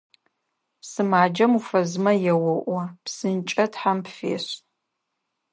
Сымаджэм уфэзмэ еоӀо: «ПсынкӀэ Тхьэм пфешӀ!».